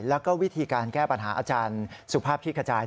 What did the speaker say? แล้วก็วิธีการแก้ปัญหาอาจารย์สุภาพขี้กระจาย